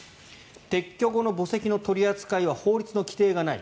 撤去後の墓石の取り扱いは法律の規定がない。